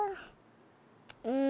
うん。